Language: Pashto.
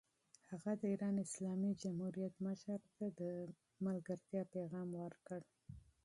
هغه د ایران اسلامي جمهوریت مشر ته د دوستۍ پیغام ورکړ.